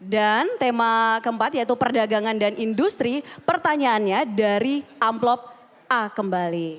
dan tema keempat yaitu perdagangan dan industri pertanyaannya dari amplop a kembali